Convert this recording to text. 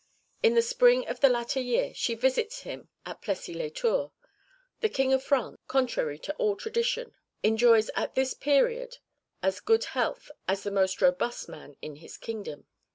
In the spring of the latter year she visits him at Plessis lès Tours. The King of France contrary to all tradition enjoys at this period as good health as the most robust man in his kingdom.